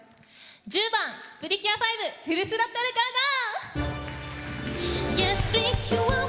１０番「プリキュア５、フル・スロットルＧＯＧＯ！」。